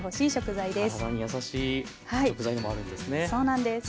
体に優しい食材でもあるんですね。